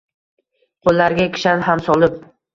qoʼllariga kishan ham solib